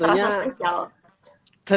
semuanya terasa spesial